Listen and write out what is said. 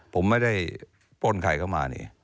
ผมไม่ได้ป้นใครเข้ามานี่